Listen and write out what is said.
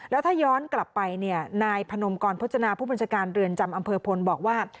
แล้วถ้าย้อนกลับไปเนี่ยนายพนมกรพจนาผู้บัญชาการเรือนจำอำเภอพลบอกว่า